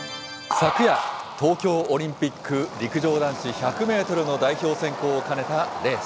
昨夜、東京オリンピック陸上男子１００メートルの代表選考を兼ねたレース。